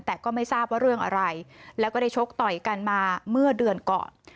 แต่ก็ไม่ทราบว่าเรื่องอะไรแล้วก็ได้ชกต่อยกันมาเมื่อเดือนก่อน